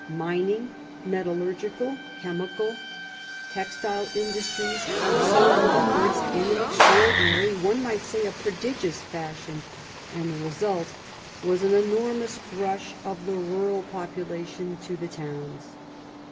Mining, metallurgical, chemical, textile industries soared upwards in an extra ordinary, one might say a prodigious fashion, and the result was an enormous rush of the rural popu lation to the towns.